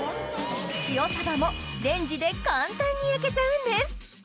塩サバもレンジで簡単に焼けちゃうんです！